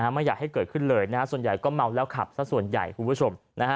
ไม่อยากให้เกิดขึ้นเลยส่วนใหญ่ก็เมาแล้วขับสักส่วนใหญ่คุณผู้ชม